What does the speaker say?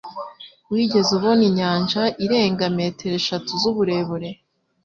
Wigeze ubona inyanja irenga metero eshatu z'uburebure?